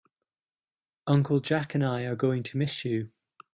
Uncle Jack and I are going to miss you.